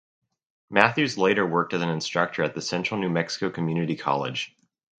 Matthews later worked as an instructor at the Central New Mexico Community College.